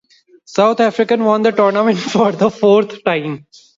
South Africa won the tournament for the fourth time.